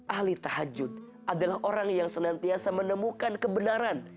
ahli tahajud adalah orang yang senantiasa menemukan kebenaran